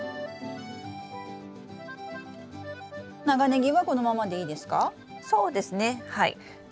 長ネギはこのままでいいですか？